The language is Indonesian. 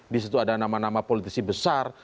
disitu ada nama nama politisi besar